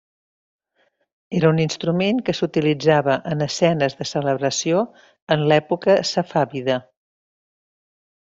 Era un instrument que s'utilitzava en escenes de celebració en l'època safàvida.